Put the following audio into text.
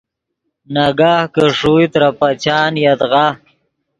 ناگاہ کہ ݰوئے ترے پچان یدغا